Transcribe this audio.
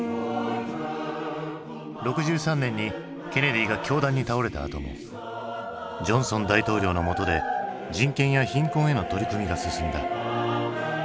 ６３年にケネディが凶弾に倒れたあともジョンソン大統領のもとで人権や貧困への取り組みが進んだ。